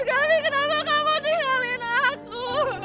gafin kenapa kamu tinggalin aku